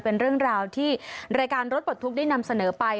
เป็นเรื่องราวที่รายการรถปลดทุกข์ได้นำเสนอไป